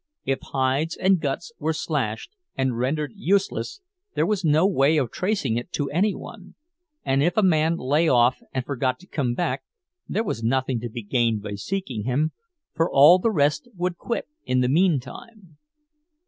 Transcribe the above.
If hides and guts were slashed and rendered useless there was no way of tracing it to any one; and if a man lay off and forgot to come back there was nothing to be gained by seeking him, for all the rest would quit in the meantime.